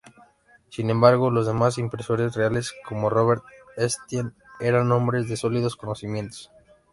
Sin embargo, los demás impresores reales, como Robert Estienne, eran hombres de sólidos conocimientos.